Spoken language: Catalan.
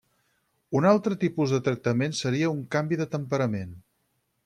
Un altre tipus de tractament seria un canvi de temperament.